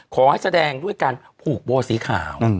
แสดงด้วยการผูกโบสีขาว